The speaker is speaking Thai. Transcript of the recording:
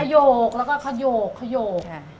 โครกแล้วก็โครกโครก